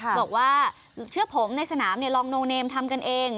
บอกว่าเชื่อผมในสนามลองโนเนมทำกันเอง